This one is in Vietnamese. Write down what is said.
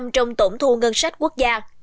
ba mươi trong tổng thu ngân sách quốc gia